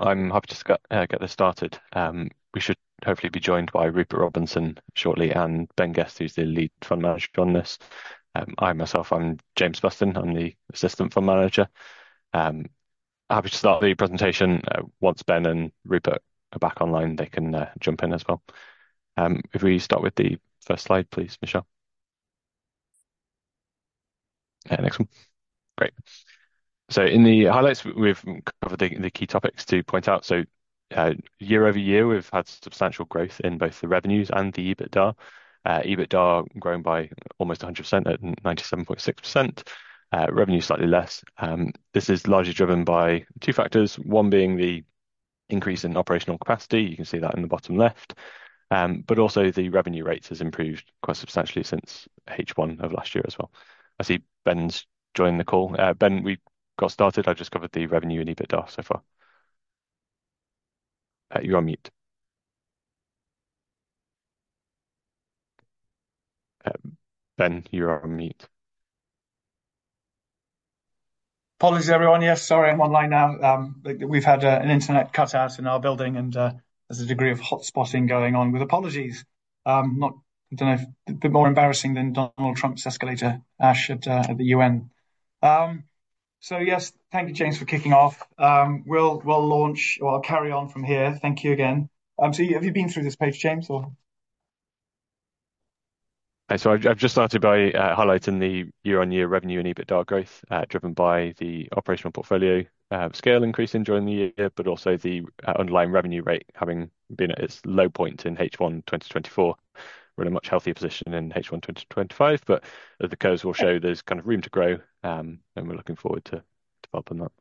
I'm happy to get this started. We should hopefully be joined by Rupert Robinson shortly and Ben Guest, who's the Lead Fund Manager on this. I myself, I'm James Bustin. I'm the Assistant Fund Manager. Happy to start the presentation. Once Ben and Rupert are back online, they can jump in as well. If we start with the first slide, please, Michelle. Next one. Great, so in the highlights, we've covered the key topics to point out, so year over year, we've had substantial growth in both the revenues and the EBITDA. EBITDA grown by almost 100% at 97.6%. Revenue slightly less. This is largely driven by two factors, one being the increase in operational capacity. You can see that in the bottom left, but also the revenue rate has improved quite substantially since H1 of last year as well. I see Ben's joined the call. Ben, we got started. I've just covered the revenue and EBITDA so far. You're on mute. Ben, you're on mute. Apologies, everyone. Yes, sorry, I'm online now. We've had an internet cutout in our building, and there's a degree of hotspotting going on. With apologies. I don't know, a bit more embarrassing than Donald Trump's escalator at the UN. So yes, thank you, James, for kicking off. We'll launch or carry on from here. Thank you again. So have you been through this page, James, or? So I've just started by highlighting the year-on-year revenue and EBITDA growth driven by the operational portfolio scale increasing during the year, but also the underlying revenue rate having been at its low point in H1 2024. We're in a much healthier position in H1 2025, but as the curves will show, there's kind of room to grow, and we're looking forward to developing that.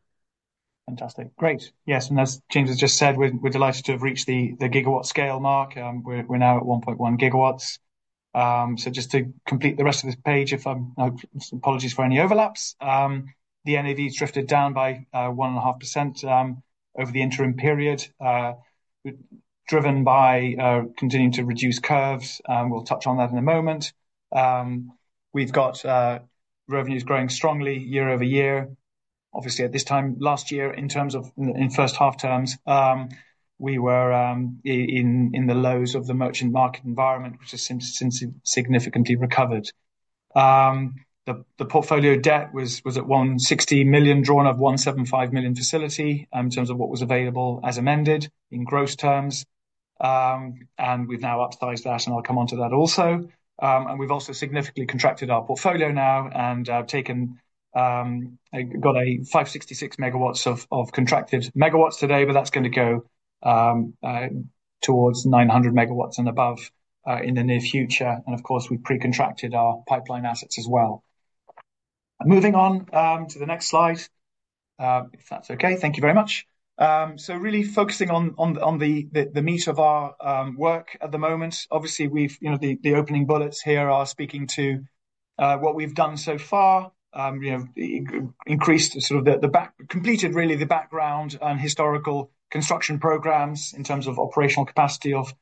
Fantastic. Great. Yes, and as James has just said, we're delighted to have reached the gigawatt scale mark. We're now at 1.1 GW. So just to complete the rest of this page, apologies for any overlaps. The NAV has drifted down by 1.5% over the interim period, driven by continuing to reduce curves. We'll touch on that in a moment. We've got revenues growing strongly year over year. Obviously, at this time last year, in terms of in first half terms, we were in the lows of the merchant market environment, which has since significantly recovered. The portfolio debt was at 160 million, drawn of 175 million facility in terms of what was available as amended in gross terms. And we've now upsized that, and I'll come on to that also. And we've also significantly contracted our portfolio now and got 566 MW of contracted megawatts today, but that's going to go towards 900 MW and above in the near future. And of course, we've pre-contracted our pipeline assets as well. Moving on to the next slide, if that's okay. Thank you very much. So really focusing on the meat of our work at the moment. Obviously, the opening bullets here are speaking to what we've done so far, increased sort of the backlog, completed really the background and historical construction programs in terms of operational capacity of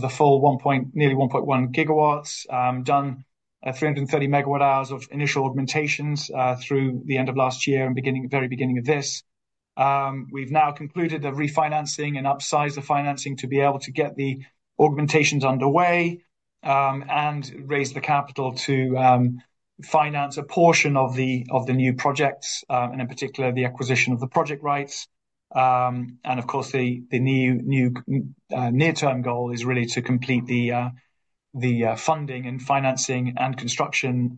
the full nearly 1.1 GW, done 330 MW hours of initial augmentations through the end of last year and very beginning of this. We've now concluded the refinancing and upsized the financing to be able to get the augmentations underway and raise the capital to finance a portion of the new projects and in particular, the acquisition of the project rights. And of course, the new near-term goal is really to complete the funding and financing and construction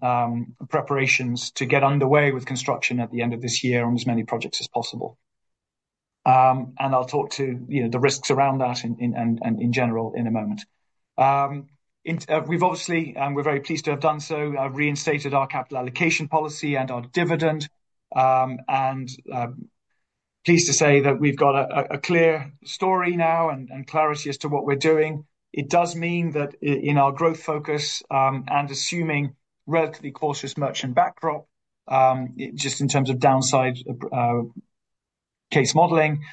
preparations to get underway with construction at the end of this year on as many projects as possible. And I'll talk to the risks around that in general in a moment. We're very pleased to have done so. I've reinstated our capital allocation policy and our dividend. And pleased to say that we've got a clear story now and clarity as to what we're doing. It does mean that in our growth focus and assuming relatively cautious merchant backdrop, just in terms of downside case modeling,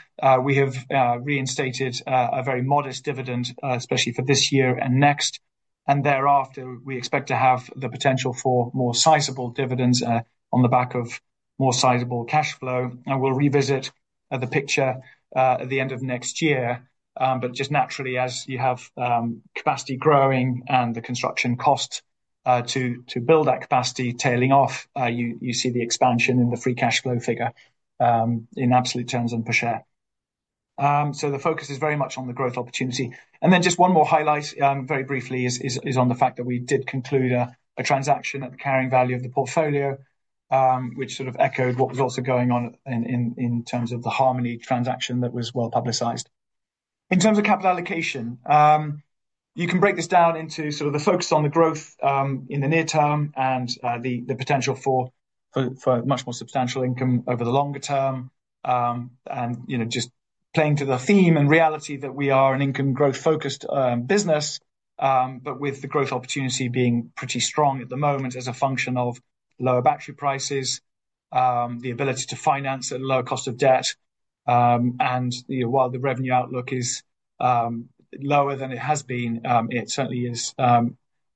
we have reinstated a very modest dividend, especially for this year and next. And thereafter, we expect to have the potential for more sizable dividends on the back of more sizable cash flow. And we'll revisit the picture at the end of next year. But just naturally, as you have capacity growing and the construction costs to build that capacity tailing off, you see the expansion in the free cash flow figure in absolute terms and per share. So the focus is very much on the growth opportunity. And then just one more highlight, very briefly, is on the fact that we did conclude a transaction at the carrying value of the portfolio, which sort of echoed what was also going on in terms of the Harmony transaction that was well publicized. In terms of capital allocation, you can break this down into sort of the focus on the growth in the near term and the potential for much more substantial income over the longer term. And just playing to the theme and reality that we are an income growth-focused business, but with the growth opportunity being pretty strong at the moment as a function of lower battery prices, the ability to finance at a lower cost of debt. While the revenue outlook is lower than it has been, it certainly is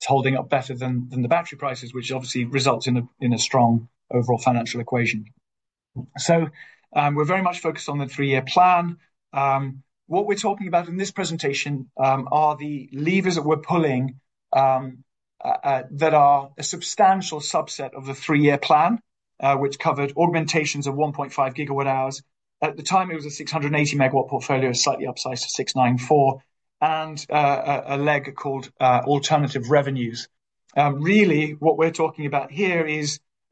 holding up better than the battery prices, which obviously results in a strong overall financial equation. We're very much focused on the three-year plan. What we're talking about in this presentation are the levers that we're pulling that are a substantial subset of the three-year plan, which covered augmentations of 1.5 GW hours. At the time, it was a 680 MW portfolio, slightly upsized to 694, and a leg called alternative revenues. Really, what we're talking about here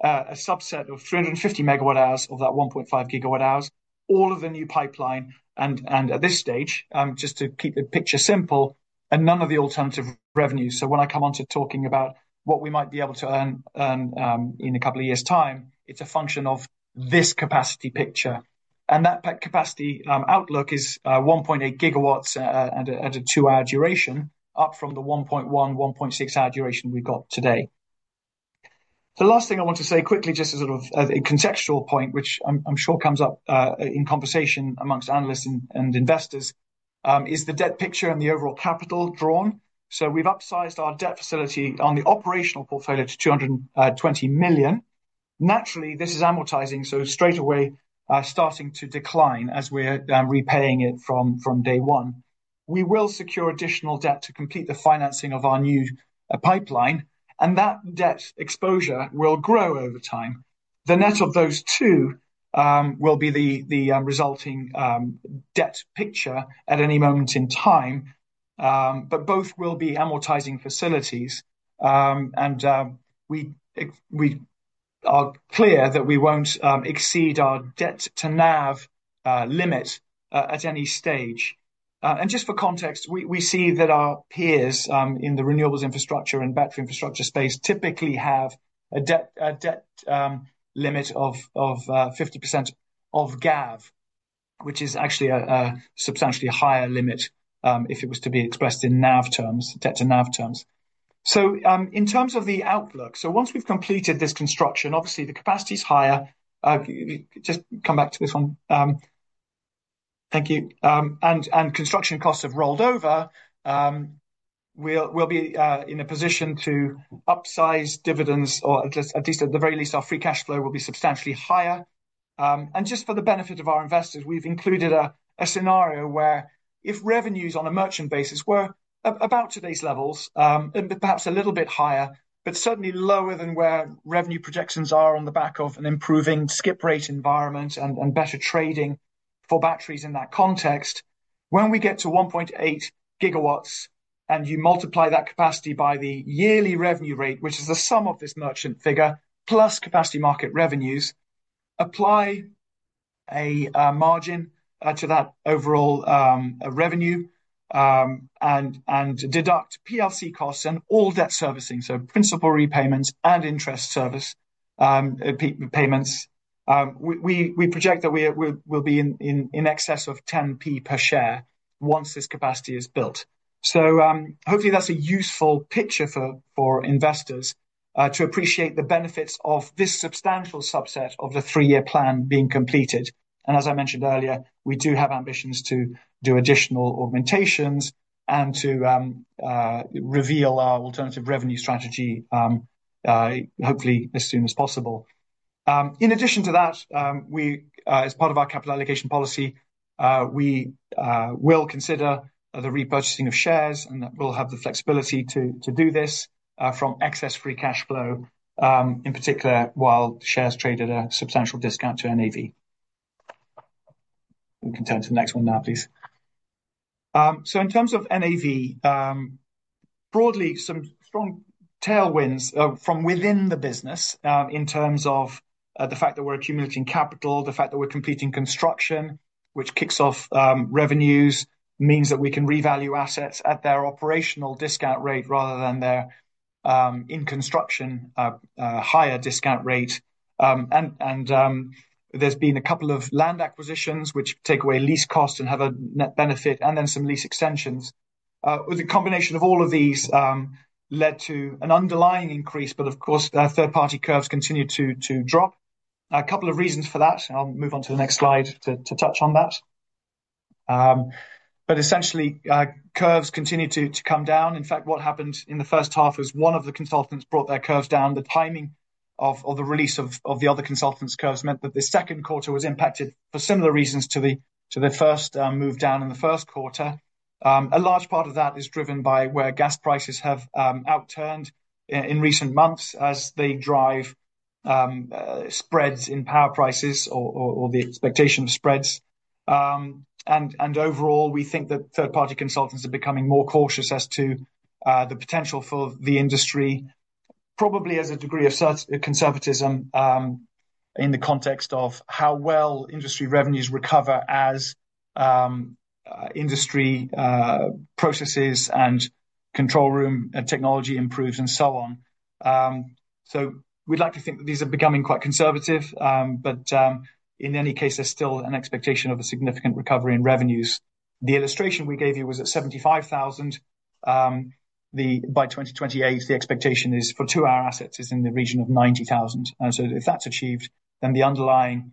is a subset of 350 MW hours of that 1.5 GW hours, all of the new pipeline. At this stage, just to keep the picture simple, and none of the alternative revenues. So when I come on to talking about what we might be able to earn in a couple of years' time, it's a function of this capacity picture. And that capacity outlook is 1.8 GW at a two-hour duration, up from the 1.1, 1.6-hour duration we've got today. The last thing I want to say quickly, just as a sort of contextual point, which I'm sure comes up in conversation among analysts and investors, is the debt picture and the overall capital drawn. So we've upsized our debt facility on the operational portfolio to 220 million. Naturally, this is amortizing, so straight away starting to decline as we're repaying it from day one. We will secure additional debt to complete the financing of our new pipeline, and that debt exposure will grow over time. The net of those two will be the resulting debt picture at any moment in time, but both will be amortizing facilities. We are clear that we won't exceed our debt to NAV limit at any stage. Just for context, we see that our peers in the renewables infrastructure and battery infrastructure space typically have a debt limit of 50% of GAV, which is actually a substantially higher limit if it was to be expressed in NAV terms, debt to NAV terms. In terms of the outlook, so once we've completed this construction, obviously, the capacity is higher. Just come back to this one. Thank you. Construction costs have rolled over. We'll be in a position to upsize dividends, or at least at the very least, our free cash flow will be substantially higher. Just for the benefit of our investors, we've included a scenario where if revenues on a merchant basis were about today's levels, perhaps a little bit higher, but certainly lower than where revenue projections are on the back of an improving skip rate environment and better trading for batteries in that context, when we get to 1.8 GW and you multiply that capacity by the yearly revenue rate, which is the sum of this merchant figure plus capacity market revenues, apply a margin to that overall revenue and deduct PLC costs and all debt servicing, so principal repayments and interest service payments. We project that we'll be in excess of 10p per share once this capacity is built. Hopefully, that's a useful picture for investors to appreciate the benefits of this substantial subset of the three-year plan being completed. And as I mentioned earlier, we do have ambitions to do additional augmentations and to reveal our alternative revenue strategy, hopefully, as soon as possible. In addition to that, as part of our capital allocation policy, we will consider the repurchasing of shares, and we'll have the flexibility to do this from excess free cash flow, in particular, while shares trade at a substantial discount to NAV. We can turn to the next one now, please. So in terms of NAV, broadly, some strong tailwinds from within the business in terms of the fact that we're accumulating capital, the fact that we're completing construction, which kicks off revenues, means that we can revalue assets at their operational discount rate rather than their in-construction higher discount rate. And there's been a couple of land acquisitions, which take away lease costs and have a net benefit, and then some lease extensions. The combination of all of these led to an underlying increase, but of course, third-party curves continue to drop. A couple of reasons for that. I'll move on to the next slide to touch on that. But essentially, curves continue to come down. In fact, what happened in the first half is one of the consultants brought their curves down. The timing of the release of the other consultants' curves meant that the second quarter was impacted for similar reasons to the first move down in the first quarter. A large part of that is driven by where gas prices have outturned in recent months as they drive spreads in power prices or the expectation of spreads. Overall, we think that third-party consultants are becoming more cautious as to the potential for the industry, probably as a degree of conservatism in the context of how well industry revenues recover as industry processes and control room technology improves and so on. So we'd like to think that these are becoming quite conservative, but in any case, there's still an expectation of a significant recovery in revenues. The illustration we gave you was at 75,000. By 2028, the expectation for two-hour assets is in the region of 90,000. And so if that's achieved, then the underlying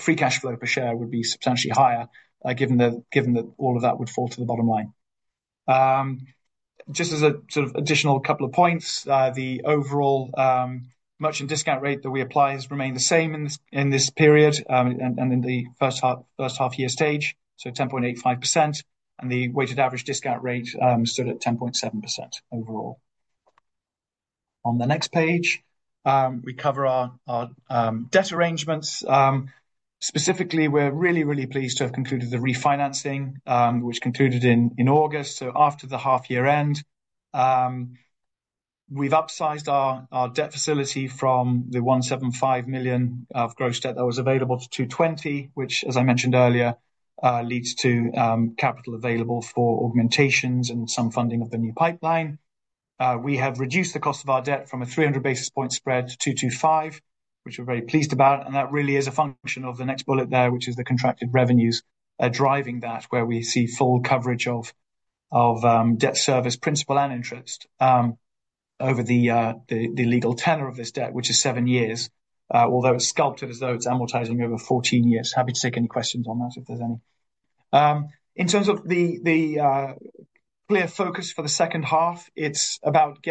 free cash flow per share would be substantially higher given that all of that would fall to the bottom line. Just as a sort of additional couple of points, the overall merchant discount rate that we apply has remained the same in this period and in the first half-year stage, so 10.85%. And the weighted average discount rate stood at 10.7% overall. On the next page, we cover our debt arrangements. Specifically, we're really, really pleased to have concluded the refinancing, which concluded in August, so after the half-year end. We've upsized our debt facility from the 175 million of gross debt that was available to 220 million, which, as I mentioned earlier, leads to capital available for augmentations and some funding of the new pipeline. We have reduced the cost of our debt from a 300 basis points spread to 225, which we're very pleased about. And that really is a function of the next bullet there, which is the contracted revenues driving that, where we see full coverage of debt service, principal, and interest over the legal tenor of this debt, which is seven years, although it's sculpted as though it's amortizing over 14 years. Happy to take any questions on that if there's any. In terms of the clear focus for the second half, it's about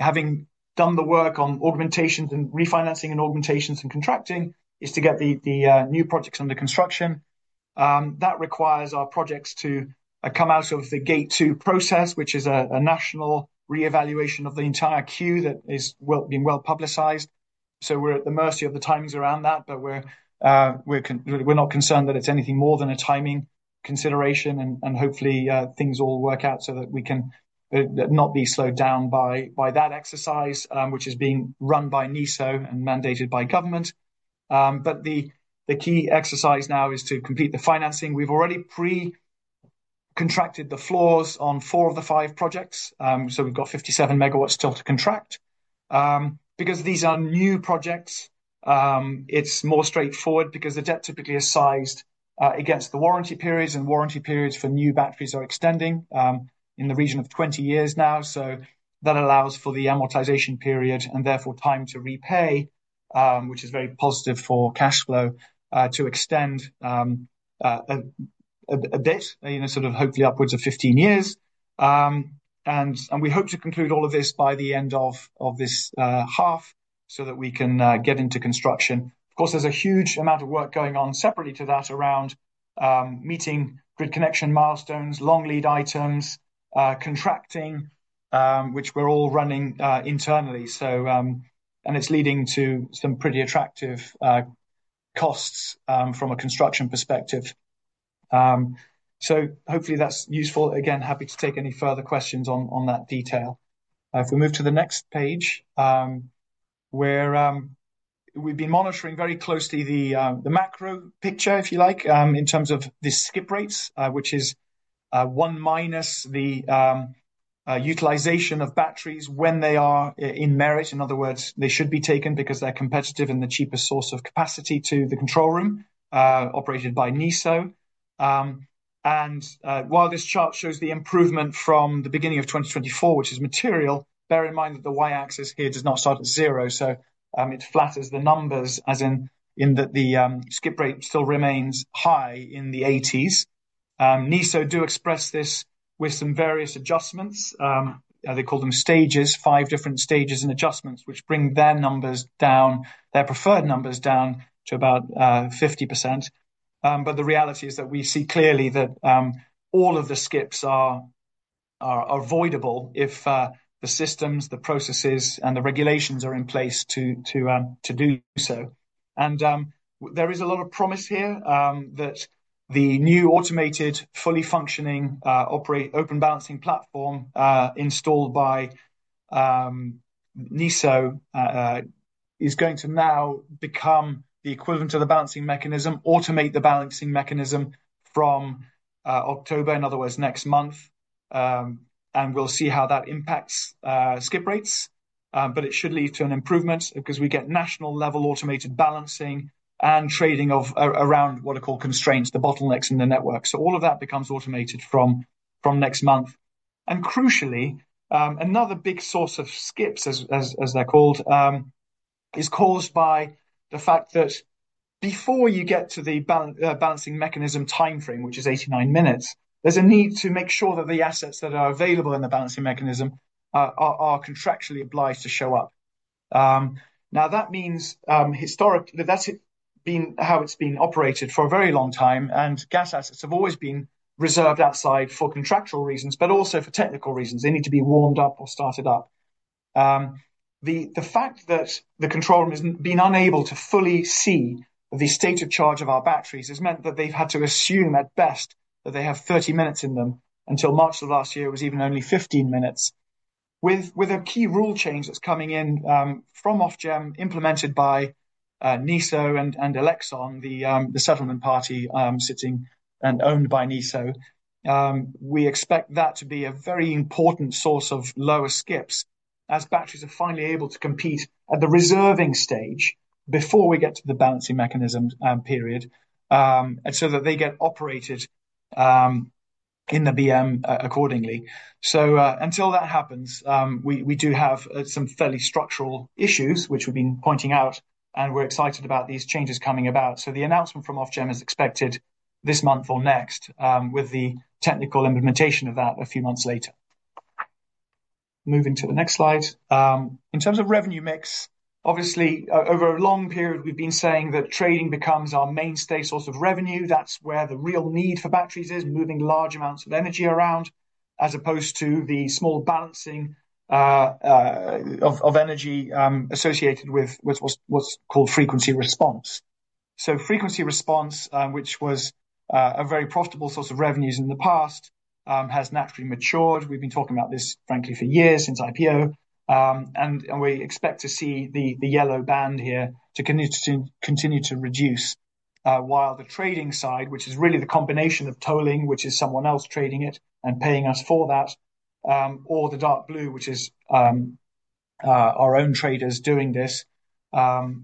having done the work on augmentations and refinancing and augmentations and contracting, is to get the new projects under construction. That requires our projects to come out of the Gate 2 process, which is a national reevaluation of the entire queue that is being well publicized. We're at the mercy of the timings around that, but we're not concerned that it's anything more than a timing consideration, and hopefully, things all work out so that we can not be slowed down by that exercise, which is being run by NESO and mandated by government. The key exercise now is to complete the financing. We've already pre-contracted the floors on four of the five projects, so we've got 57 MW still to contract. Because these are new projects, it's more straightforward because the debt typically is sized against the warranty periods, and warranty periods for new batteries are extending in the region of 20 years now. That allows for the amortization period and therefore time to repay, which is very positive for cash flow to extend a bit, sort of hopefully upwards of 15 years. We hope to conclude all of this by the end of this half so that we can get into construction. Of course, there's a huge amount of work going on separately to that around meeting GRID connection milestones, long lead items, contracting, which we're all running internally. It's leading to some pretty attractive costs from a construction perspective. Hopefully, that's useful. Again, happy to take any further questions on that detail. If we move to the next page, we've been monitoring very closely the macro picture, if you like, in terms of the skip rates, which is one minus the utilization of batteries when they are in merit. In other words, they should be taken because they're competitive and the cheapest source of capacity to the Control Room operated by NESO. While this chart shows the improvement from the beginning of 2024, which is material, bear in mind that the y-axis here does not start at zero, so it flattens the numbers as in that the skip rate still remains high in the 80s%. NESO does express this with some various adjustments. They call them stages, five different stages and adjustments, which bring their numbers down, their preferred numbers down to about 50%. But the reality is that we see clearly that all of the skips are avoidable if the systems, the processes, and the regulations are in place to do so. There is a lot of promise here that the new automated, fully functioning Open Balancing Platform installed by NESO is going to now become the equivalent of the Balancing Mechanism, automate the Balancing Mechanism from October, in other words, next month. And we'll see how that impacts skip rates, but it should lead to an improvement because we get national-level automated balancing and trading around what are called constraints, the bottlenecks in the network. So all of that becomes automated from next month. And crucially, another big source of skips, as they're called, is caused by the fact that before you get to the balancing mechanism timeframe, which is 89 minutes, there's a need to make sure that the assets that are available in the balancing mechanism are contractually obliged to show up. Now, that means historically, that's been how it's been operated for a very long time, and gas assets have always been reserved outside for contractual reasons, but also for technical reasons. They need to be warmed up or started up. The fact that the control room has been unable to fully see the state of charge of our batteries has meant that they've had to assume at best that they have 30 minutes in them. Until March of last year, it was even only 15 minutes. With a key rule change that's coming in from Ofgem implemented by NESO and Elexon, the settlement party system and owned by NESO, we expect that to be a very important source of lower skips as batteries are finally able to compete at the reserving stage before we get to the balancing mechanism period so that they get operated in the BM accordingly. Until that happens, we do have some fairly structural issues, which we've been pointing out, and we're excited about these changes coming about. So the announcement from Ofgem is expected this month or next, with the technical implementation of that a few months later. Moving to the next slide. In terms of revenue mix, obviously, over a long period, we've been saying that trading becomes our mainstay source of revenue. That's where the real need for batteries is, moving large amounts of energy around as opposed to the small balancing of energy associated with what's called frequency response. So frequency response, which was a very profitable source of revenues in the past, has naturally matured. We've been talking about this, frankly, for years since IPO. We expect to see the yellow band here to continue to reduce while the trading side, which is really the combination of tolling, which is someone else trading it and paying us for that, or the dark blue, which is our own traders doing this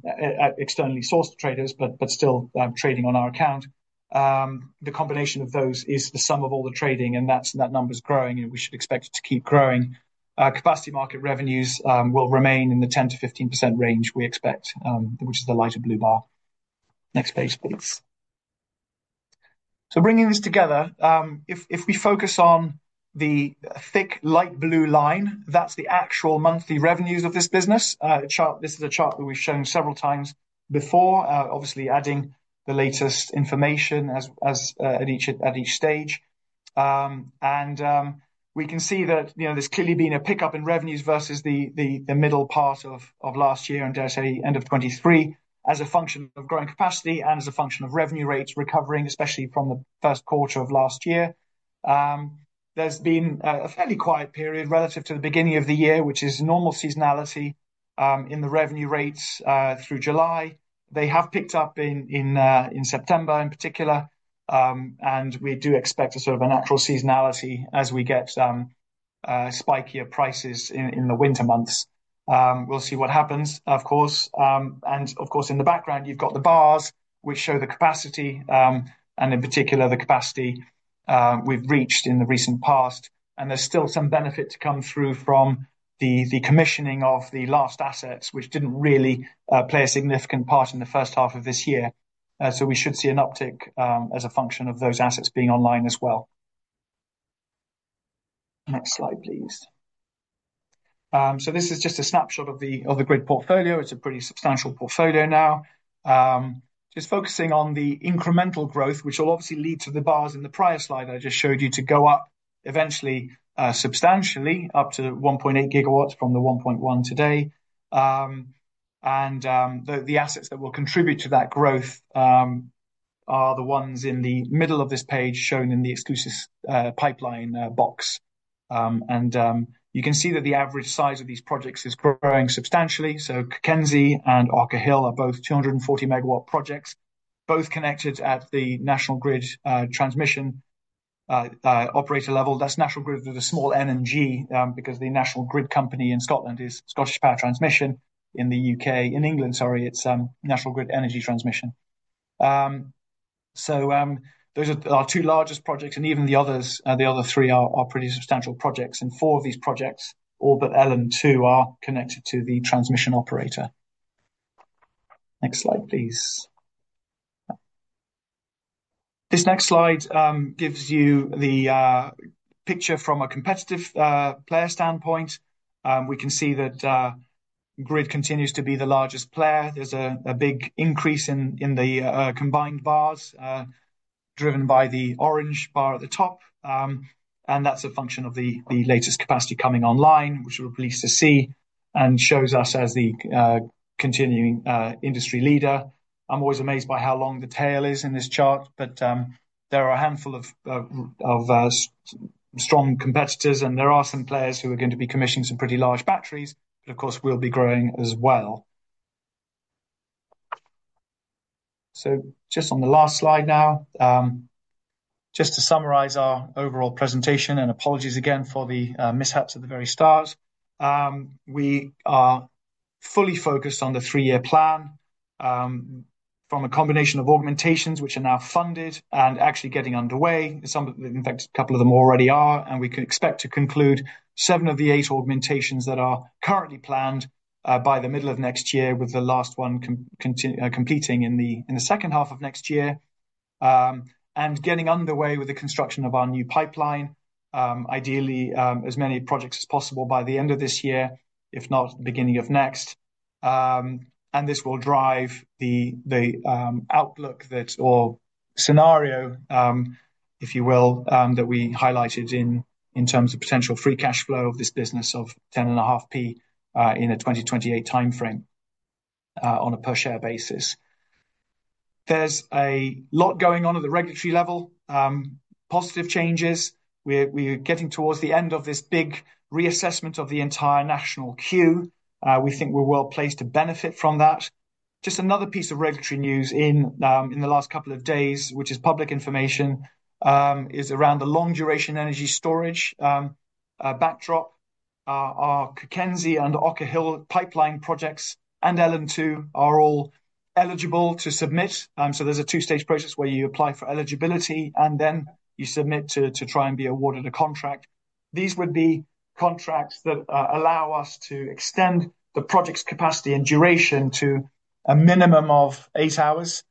externally sourced traders, but still trading on our account. The combination of those is the sum of all the trading, and that number is growing, and we should expect it to keep growing. Capacity Market revenues will remain in the 10%-15% range we expect, which is the lighter blue bar. Next page, please. Bringing this together, if we focus on the thick light blue line, that's the actual monthly revenues of this business. This is a chart that we've shown several times before, obviously adding the latest information at each stage. We can see that there's clearly been a pickup in revenues versus the middle part of last year and, dare I say, end of 2023 as a function of growing capacity and as a function of revenue rates recovering, especially from the first quarter of last year. There's been a fairly quiet period relative to the beginning of the year, which is normal seasonality in the revenue rates through July. They have picked up in September in particular, and we do expect a sort of a natural seasonality as we get spikier prices in the winter months. We'll see what happens, of course. Of course, in the background, you've got the bars which show the capacity and, in particular, the capacity we've reached in the recent past. There's still some benefit to come through from the commissioning of the last assets, which didn't really play a significant part in the first half of this year. We should see an uptick as a function of those assets being online as well. Next slide, please. This is just a snapshot of the GRID portfolio. It's a pretty substantial portfolio now. Just focusing on the incremental growth, which will obviously lead to the bars in the prior slide I just showed you to go up eventually substantially up to 1.8 GW from the 1.1 today. The assets that will contribute to that growth are the ones in the middle of this page shown in the execution pipeline box. You can see that the average size of these projects is growing substantially. Cockenzie and Harker are both 240-MW projects, both connected at the National Grid Transmission Operator level. That's National Grid with a small N and G because the National Grid Company in Scotland is Scottish Power Transmission. In the UK, in England, sorry, it's National Grid Energy Transmission. Those are our two largest projects, and even the other three are pretty substantial projects. Four of these projects, Orbit, Elland 2, are connected to the transmission operator. Next slide, please. This next slide gives you the picture from a competitive player standpoint. We can see that GRID continues to be the largest player. There's a big increase in the combined bars driven by the orange bar at the top. That's a function of the latest capacity coming online, which we're pleased to see and shows us as the continuing industry leader. I'm always amazed by how long the tail is in this chart, but there are a handful of strong competitors, and there are some players who are going to be commissioning some pretty large batteries, but of course, will be growing as well. So just on the last slide now, just to summarize our overall presentation, and apologies again for the mishaps at the very start, we are fully focused on the three-year plan from a combination of augmentations, which are now funded and actually getting underway. In fact, a couple of them already are, and we can expect to conclude seven of the eight augmentations that are currently planned by the middle of next year, with the last one completing in the second half of next year and getting underway with the construction of our new pipeline, ideally as many projects as possible by the end of this year, if not the beginning of next. And this will drive the outlook or scenario, if you will, that we highlighted in terms of potential free cash flow of this business of 10.5p in a 2028 timeframe on a per-share basis, and this will drive the outlook or scenario, if you will, that we highlighted in terms of potential free cash flow of this business of 10.5p in a 2028 timeframe on a per-share basis. There's a lot going on at the regulatory level, positive changes. We're getting towards the end of this big reassessment of the entire national queue. We think we're well placed to benefit from that. Just another piece of regulatory news in the last couple of days, which is public information, is around the long-duration energy storage backdrop. Our Cockenzie and Harker pipeline projects and Elland 2 are all eligible to submit. So there's a two-stage process where you apply for eligibility, and then you submit to try and be awarded a contract. These would be contracts that allow us to extend the project's capacity and duration to a minimum of eight hours.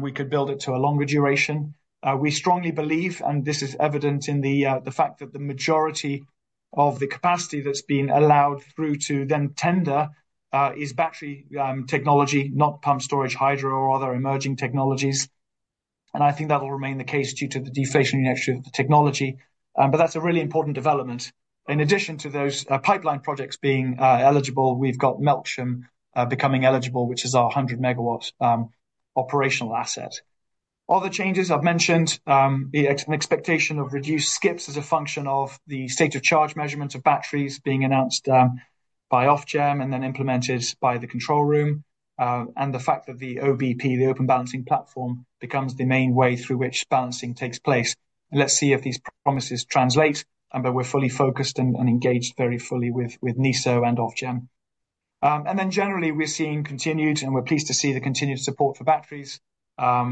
We could build it to a longer duration. We strongly believe, and this is evident in the fact that the majority of the capacity that's been allowed through to then tender is battery technology, not pump storage, hydro, or other emerging technologies. And I think that will remain the case due to the deflationary nature of the technology. But that's a really important development. In addition to those pipeline projects being eligible, we've got Melksham becoming eligible, which is our 100 MW operational asset. Other changes I've mentioned, the expectation of reduced skips as a function of the state of charge measurements of batteries being announced by Ofgem and then implemented by the control room, and the fact that the OBP, the open balancing platform, becomes the main way through which balancing takes place. Let's see if these promises translate, but we're fully focused and engaged very fully with NESO and Ofgem. Then generally, we're seeing continued, and we're pleased to see the continued support for batteries at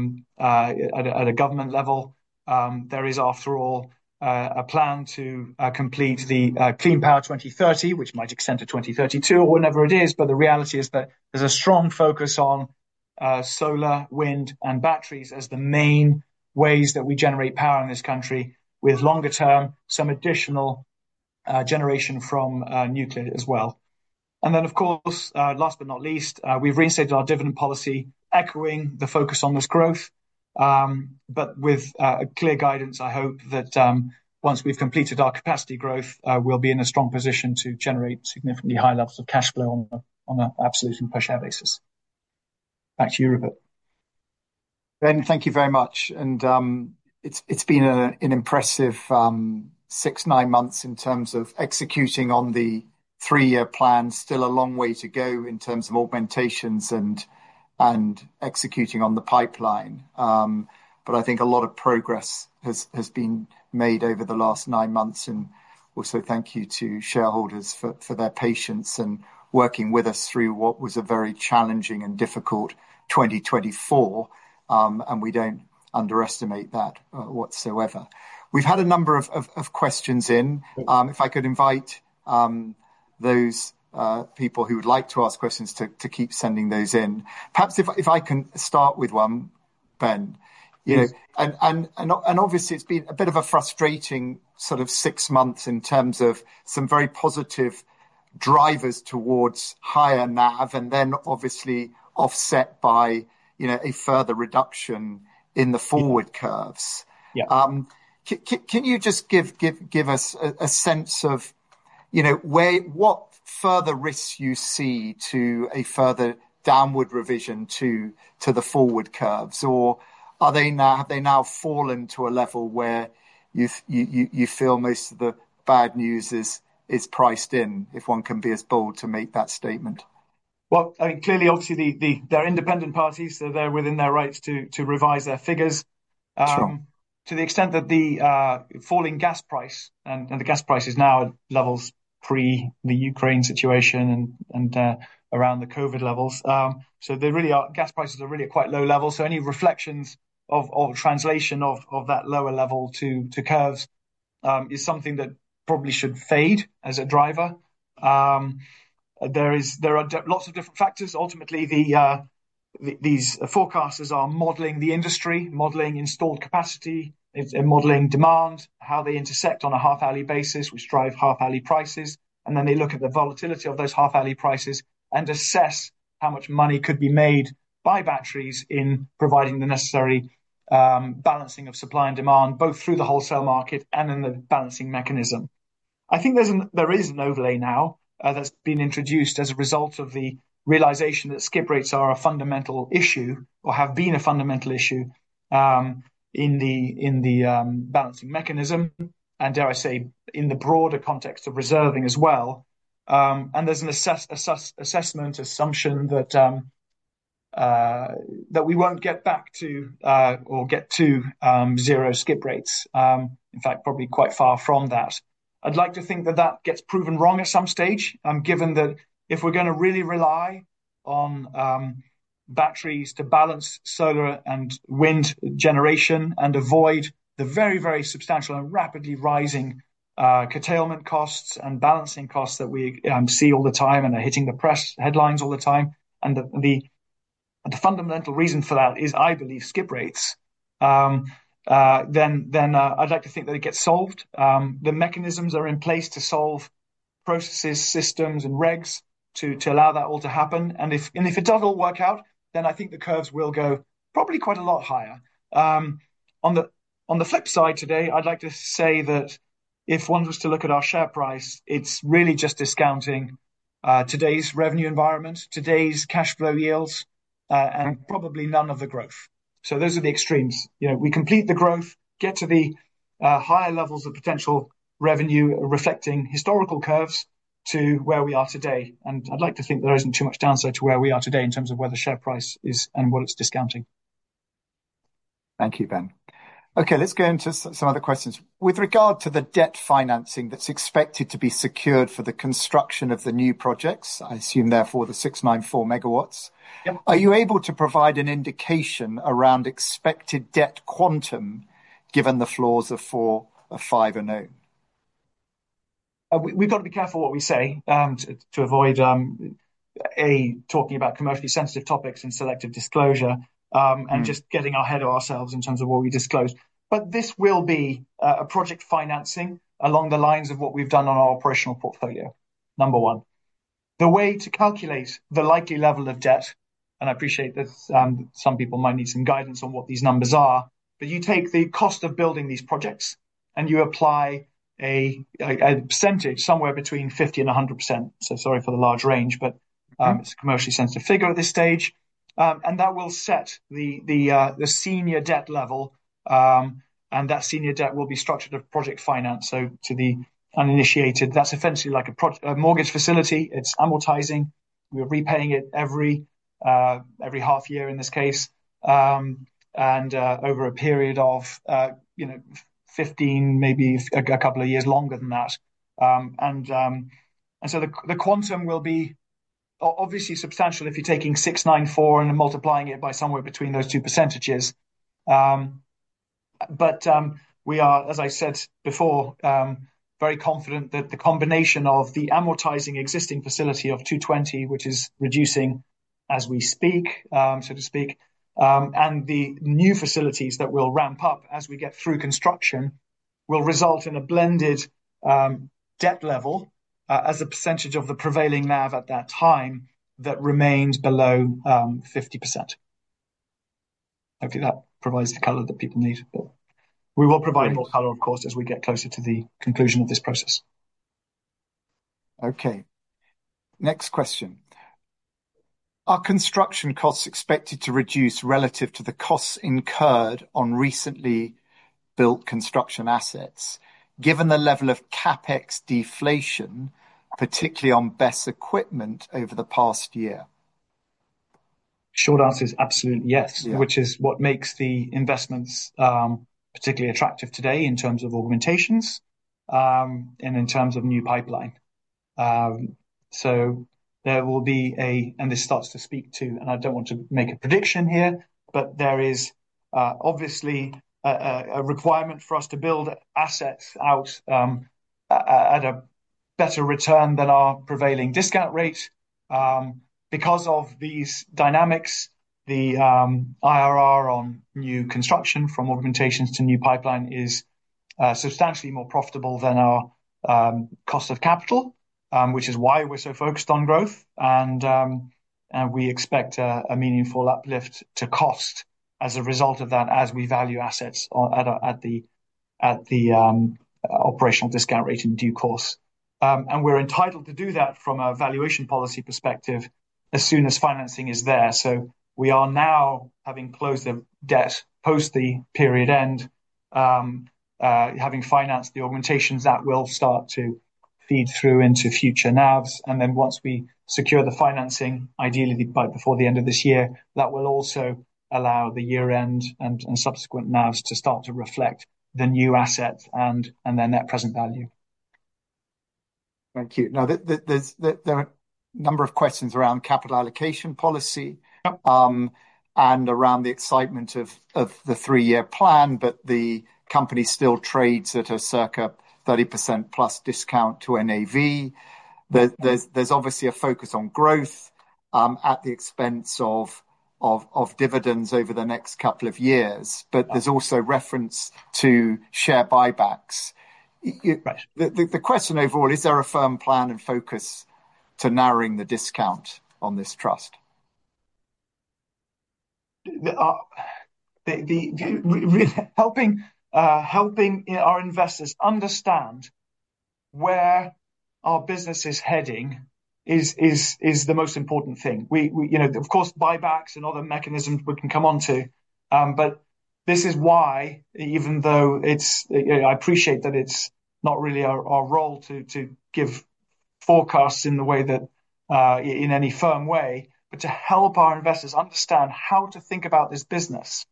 a government level. There is, after all, a plan to complete the Clean Power 2030, which might extend to 2032 or whenever it is. The reality is that there's a strong focus on solar, wind, and batteries as the main ways that we generate power in this country with longer-term some additional generation from nuclear as well. Then, of course, last but not least, we've reinstated our dividend policy, echoing the focus on this growth. With clear guidance, I hope that once we've completed our capacity growth, we'll be in a strong position to generate significantly high levels of cash flow on an absolute and per-share basis. Back to you, Rupert. Ben, thank you very much. It's been an impressive six, nine months in terms of executing on the three-year plan. There's still a long way to go in terms of augmentations and executing on the pipeline. I think a lot of progress has been made over the last nine months. Also thank you to shareholders for their patience and working with us through what was a very challenging and difficult 2024. We don't underestimate that whatsoever. We've had a number of questions in. If I could invite those people who would like to ask questions to keep sending those in. Perhaps if I can start with one, Ben. Obviously, it's been a bit of a frustrating sort of six months in terms of some very positive drivers towards higher NAV and then obviously offset by a further reduction in the forward curves. Can you just give us a sense of what further risks you see to a further downward revision to the forward curves? Or have they now fallen to a level where you feel most of the bad news is priced in, if one can be as bold to make that statement? I mean, clearly, obviously, they're independent parties, so they're within their rights to revise their figures to the extent that the falling gas price and the gas price is now at levels pre the Ukraine situation and around the COVID levels, so gas prices are really at quite low levels, so any reflections of translation of that lower level to curves is something that probably should fade as a driver. There are lots of different factors. Ultimately, these forecasters are modeling the industry, modeling installed capacity, modeling demand, how they intersect on a half-hourly basis, which drive half-hourly prices, and then they look at the volatility of those half-hourly prices and assess how much money could be made by batteries in providing the necessary balancing of supply and demand, both through the wholesale market and in the balancing mechanism. I think there is an overlay now that's been introduced as a result of the realization that skip rates are a fundamental issue or have been a fundamental issue in the balancing mechanism, and dare I say, in the broader context of reserving as well, and there's an assessment assumption that we won't get back to or get to zero skip rates, in fact, probably quite far from that. I'd like to think that that gets proven wrong at some stage, given that if we're going to really rely on batteries to balance solar and wind generation and avoid the very, very substantial and rapidly rising curtailment costs and balancing costs that we see all the time and are hitting the press headlines all the time, and the fundamental reason for that is, I believe, skip rates, then I'd like to think that it gets solved. The mechanisms are in place to solve processes, systems, and regs to allow that all to happen, and if it does all work out, then I think the curves will go probably quite a lot higher. On the flip side today, I'd like to say that if one was to look at our share price, it's really just discounting today's revenue environment, today's cash flow yields, and probably none of the growth, so those are the extremes. We complete the growth, get to the higher levels of potential revenue reflecting historical curves to where we are today, and I'd like to think there isn't too much downside to where we are today in terms of where the share price is and what it's discounting. Thank you, Ben. Okay, let's go into some other questions. With regard to the debt financing that's expected to be secured for the construction of the new projects, I assume therefore the 694 MW, are you able to provide an indication around expected debt quantum given the phases of four, five, and nine? We've got to be careful what we say to avoid talking about commercially sensitive topics and selective disclosure and just getting ahead of ourselves in terms of what we disclose. But this will be a project financing along the lines of what we've done on our operational portfolio, number one. The way to calculate the likely level of debt, and I appreciate that some people might need some guidance on what these numbers are, but you take the cost of building these projects and you apply a percentage somewhere between 50%-100%. Sorry for the large range, but it's a commercially sensitive figure at this stage. And that will set the senior debt level, and that senior debt will be structured of project finance. So to the uninitiated, that's essentially like a mortgage facility. It's amortizing. We're repaying it every half year in this case and over a period of 15, maybe a couple of years longer than that. And so the quantum will be obviously substantial if you're taking 694 and multiplying it by somewhere between those two percentages. But we are, as I said before, very confident that the combination of the amortizing existing facility of 220, which is reducing as we speak, so to speak, and the new facilities that will ramp up as we get through construction will result in a blended debt level as a percentage of the prevailing NAV at that time that remains below 50%. Hopefully, that provides the color that people need. We will provide more color, of course, as we get closer to the conclusion of this process. Okay. Next question. Are construction costs expected to reduce relative to the costs incurred on recently built construction assets, given the level of CapEx deflation, particularly on BESS equipment over the past year? Short answer is absolute yes, which is what makes the investments particularly attractive today in terms of augmentations and in terms of new pipeline. So there will be, and this starts to speak to, and I don't want to make a prediction here, but there is obviously a requirement for us to build assets out at a better return than our prevailing discount rate. Because of these dynamics, the IRR on new construction from augmentations to new pipeline is substantially more profitable than our cost of capital, which is why we're so focused on growth. And we expect a meaningful uplift to NAV as a result of that as we value assets at the operational discount rate in due course. And we're entitled to do that from a valuation policy perspective as soon as financing is there. So we are now having closed the debt post the period end, having financed the augmentations that will start to feed through into future NAVs. And t`hen once we secure the financing, ideally by before the end of this year, that will also allow the year-end and subsequent NAVs to start to reflect the new assets and their net present value. Thank you. Now, there are a number of questions around capital allocation policy and around the excitement of the three-year plan, but the company still trades at a circa 30% plus discount to NAV. There's obviously a focus on growth at the expense of dividends over the next couple of years, but there's also reference to share buybacks. The question overall, is there a firm plan and focus to narrowing the discount on this trust? Helping our investors understand where our business is heading is the most important thing. Of course, buybacks and other mechanisms we can come on to, but this is why, even though I appreciate that it's not really our role to give forecasts in any firm way, but to help our investors understand how to think about this business.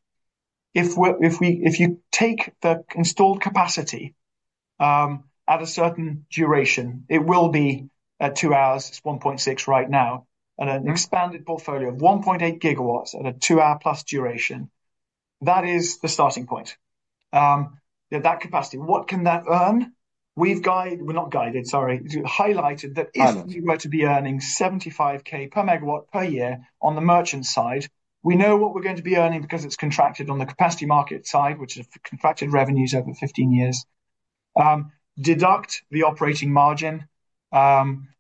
If you take the installed capacity at a certain duration, it will be at two hours. It's 1.6 right now and an expanded portfolio of 1.8 GW at a two-hour plus duration, that is the starting point. That capacity, what can that earn? We've guided, we're not guided, sorry, highlighted that if we were to be earning 75,000 per megawatt per year on the merchant side, we know what we're going to be earning because it's contracted on the capacity market side, which is contracted revenues over 15 years. Deduct the operating margin,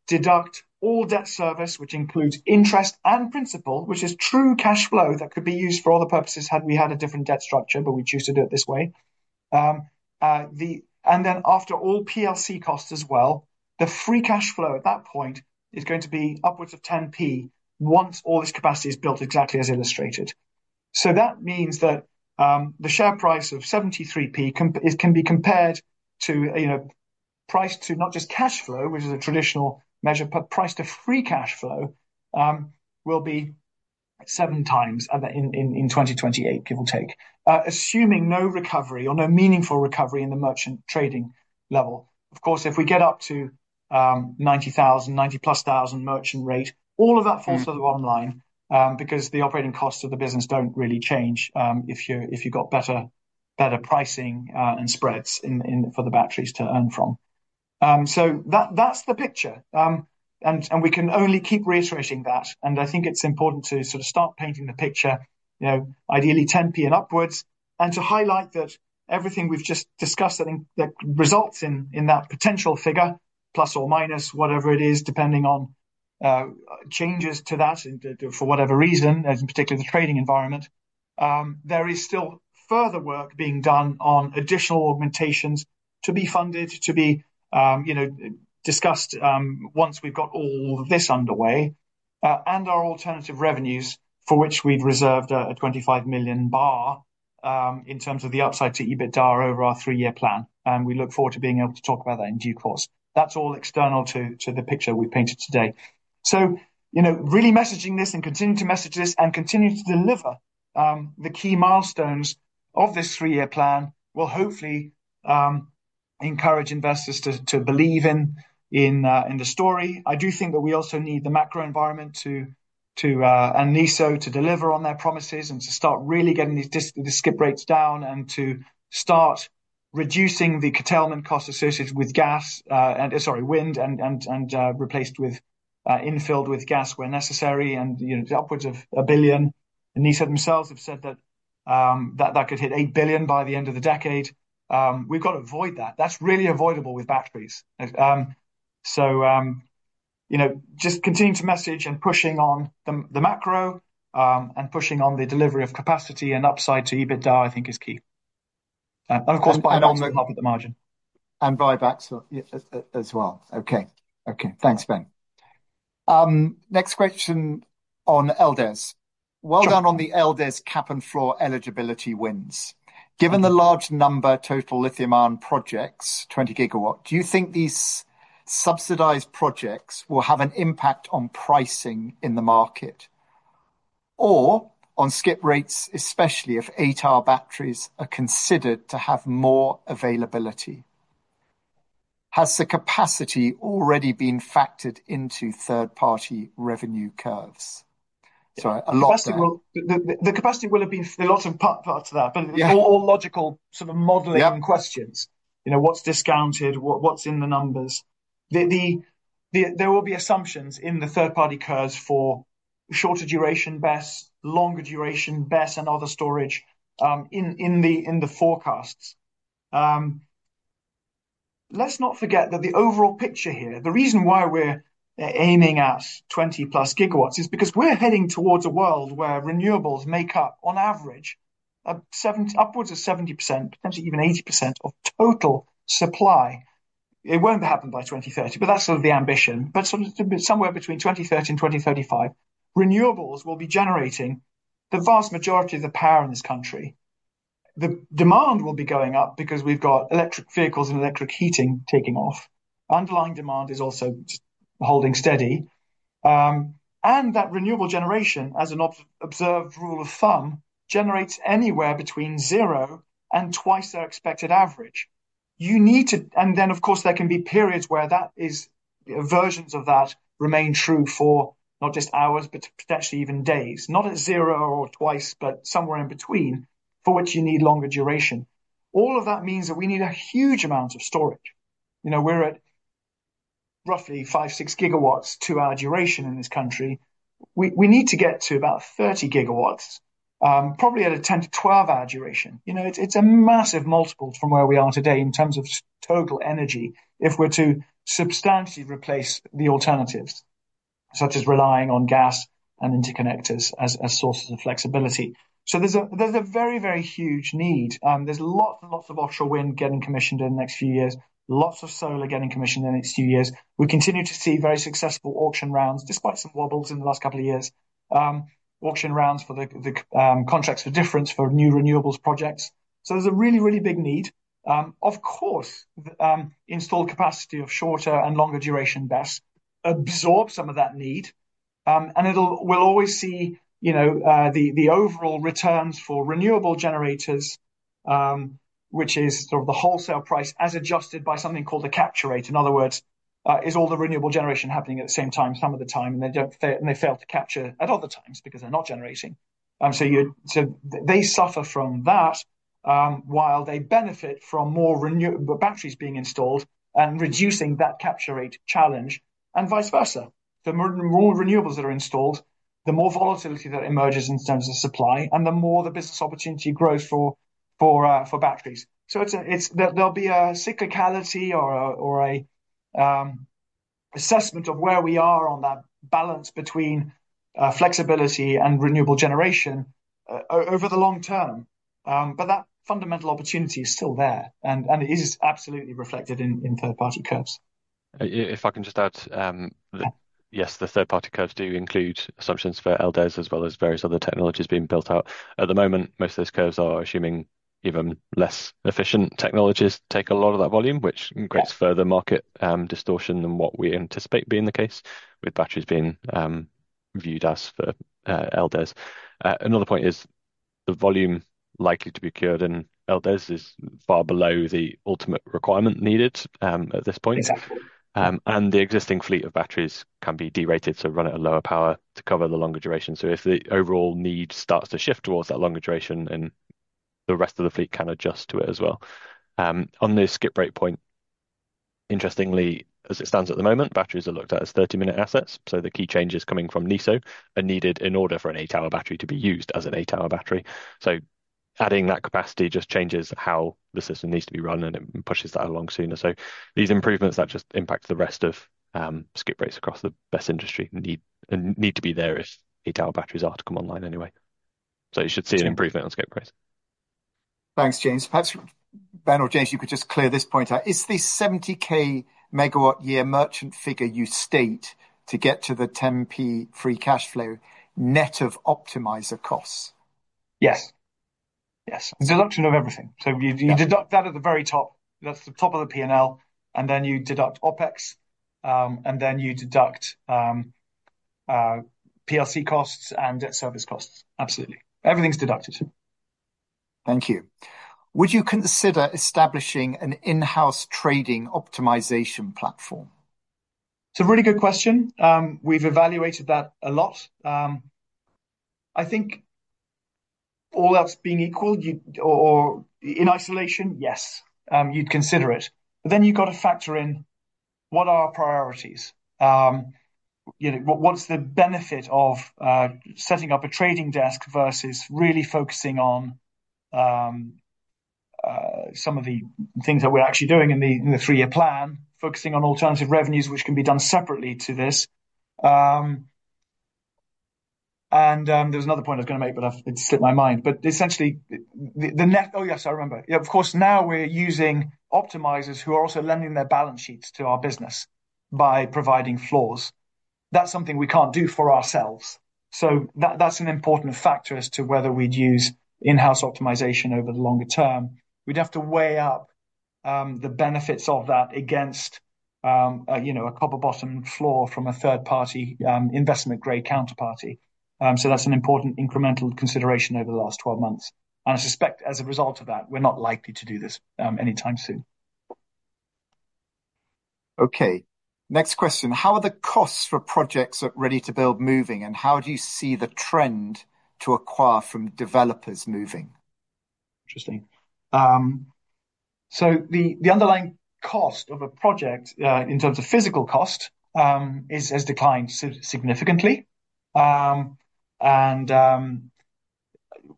deduct all debt service, which includes interest and principal, which is true cash flow that could be used for all the purposes had we had a different debt structure, but we choose to do it this way. And then after all PLC costs as well, the free cash flow at that point is going to be upwards of 0.10 once all this capacity is built exactly as illustrated. So that means that the share price of 0.73 can be compared to price to not just cash flow, which is a traditional measure, but price to free cash flow will be seven times in 2028, give or take, assuming no recovery or no meaningful recovery in the merchant trading level. Of course, if we get up to 90,000, 90 plus thousand merchant rate, all of that falls to the bottom line because the operating costs of the business don't really change if you've got better pricing and spreads for the batteries to earn from. So that's the picture. And we can only keep reiterating that. And I think it's important to sort of start painting the picture, ideally 10p and upwards, and to highlight that everything we've just discussed that results in that potential figure, plus or minus, whatever it is, depending on changes to that for whatever reason, in particular the trading environment. There is still further work being done on additional augmentations to be funded, to be discussed once we've got all this underway and our alternative revenues for which we've reserved a 25 million bar in terms of the upside to EBITDA over our three-year plan. We look forward to being able to talk about that in due course. That's all external to the picture we've painted today. Really messaging this and continuing to message this and continue to deliver the key milestones of this three-year plan will hopefully encourage investors to believe in the story. I do think that we also need the macro environment and NESO to deliver on their promises and to start really getting these skip rates down and to start reducing the curtailment costs associated with gas, sorry, wind and infilled with gas where necessary and upwards of 1 billion. NESO themselves have said that that could hit 8 billion by the end of the decade. We've got to avoid that. That's really avoidable with batteries. So just continuing to message and pushing on the macro and pushing on the delivery of capacity and upside to EBITDA, I think, is key. And of course, buying on the top of the margin. And buybacks as well. Okay. Okay. Thanks, Ben. Next question on LDES. Well done on the LDES cap and floor eligibility wins. Given the large number total lithium-ion projects, 20 GW, do you think these subsidized projects will have an impact on pricing in the market or on skip rates, especially if eight-hour batteries are considered to have more availability? Has the capacity already been factored into third-party revenue curves? Sorry, a lot of. The capacity will have been a lot of parts of that, but all logical sort of modeling questions. What's discounted? What's in the numbers? There will be assumptions in the third-party curves for shorter duration BESS, longer duration BESS, and other storage in the forecasts. Let's not forget that the overall picture here, the reason why we're aiming at 20 plus GW is because we're heading towards a world where renewables make up, on average, upwards of 70%, potentially even 80% of total supply. It won't happen by 2030, but that's sort of the ambition, but somewhere between 2030 and 2035, renewables will be generating the vast majority of the power in this country. The demand will be going up because we've got electric vehicles and electric heating taking off. Underlying demand is also holding steady, and that renewable generation, as an observed rule of thumb, generates anywhere between zero and twice their expected average. And then, of course, there can be periods where versions of that remain true for not just hours, but potentially even days, not at zero or twice, but somewhere in between for which you need longer duration. All of that means that we need a huge amount of storage. We're at roughly five, six gigawatts two-hour duration in this country. We need to get to about 30 GW, probably at a 10 to 12-hour duration. It's a massive multiple from where we are today in terms of total energy if we're to substantially replace the alternatives, such as relying on gas and interconnectors as sources of flexibility. So there's a very, very huge need. There's lots and lots of offshore wind getting commissioned in the next few years, lots of solar getting commissioned in the next few years. We continue to see very successful auction rounds, despite some wobbles in the last couple of years, auction rounds for the contracts for difference for new renewables projects. So there's a really, really big need. Of course, installed capacity of shorter and longer duration BESS absorbs some of that need. And we'll always see the overall returns for renewable generators, which is sort of the wholesale price as adjusted by something called a capture rate. In other words, is all the renewable generation happening at the same time some of the time, and they fail to capture at other times because they're not generating. So they suffer from that while they benefit from more batteries being installed and reducing that capture rate challenge and vice versa. The more renewables that are installed, the more volatility that emerges in terms of supply, and the more the business opportunity grows for batteries. So there'll be a cyclicality or an assessment of where we are on that balance between flexibility and renewable generation over the long term. But that fundamental opportunity is still there, and it is absolutely reflected in third-party curves. If I can just add, yes, the third-party curves do include assumptions for LDES as well as various other technologies being built out. At the moment, most of those curves are assuming even less efficient technologies take a lot of that volume, which creates further market distortion than what we anticipate being the case with batteries being viewed as LDES. Another point is the volume likely to be queued in LDES is far below the ultimate requirement needed at this point. And the existing fleet of batteries can be derated to run at a lower power to cover the longer duration. So if the overall need starts to shift towards that longer duration, then the rest of the fleet can adjust to it as well. On the skip rate point, interestingly, as it stands at the moment, batteries are looked at as 30-minute assets. So the key changes coming from NESO are needed in order for an eight-hour battery to be used as an eight-hour battery. So adding that capacity just changes how the system needs to be run and pushes that along sooner. So these improvements that just impact the rest of skip rates across the BESS industry need to be there if eight-hour batteries are to come online anyway. So you should see an improvement on skip rates. Thanks, James. Perhaps Ben or James, you could just clear this point out. Is the 70k MW year merchant figure you state to get to the 10p free cash flow net of optimizer costs? Yes. Yes. Deduction of everything. So you deduct that at the very top. That's the top of the P&L. And then you deduct OPEX. And then you deduct PLC costs and service costs. Absolutely. Everything's deducted. Thank you. Would you consider establishing an in-house trading optimization platform? It's a really good question. We've evaluated that a lot. I think all else being equal or in isolation, yes, you'd consider it. But then you've got to factor in what are our priorities? What's the benefit of setting up a trading desk versus really focusing on some of the things that we're actually doing in the three-year plan, focusing on alternative revenues, which can be done separately to this. And there was another point I was going to make, but it slipped my mind. But essentially, the net, oh yes, I remember. Of course, now we're using optimizers who are also lending their balance sheets to our business by providing floors. That's something we can't do for ourselves. So that's an important factor as to whether we'd use in-house optimization over the longer term. We'd have to weigh up the benefits of that against a copper-bottomed floor from a third-party investment-grade counterparty. So that's an important incremental consideration over the last 12 months. And I suspect as a result of that, we're not likely to do this anytime soon. Okay. Next question. How are the costs for projects at ready-to-build moving? And how do you see the trend to acquire from developers moving? Interesting. The underlying cost of a project in terms of physical cost has declined significantly.